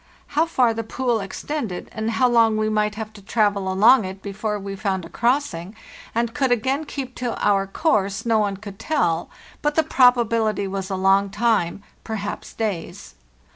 How far the pool extended and how long we might have to travel 214 FARTHEST NORTH along it before we found a crossing and could again keep. 'to "our course no "one 'could tells Wbut gine probability was a long time—perhaps days.